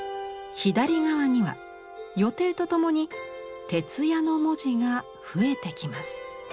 左側には予定とともに「徹夜」の文字が増えてきます。